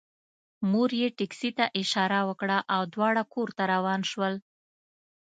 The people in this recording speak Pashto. مور یې ټکسي ته اشاره وکړه او دواړه کور ته روان شول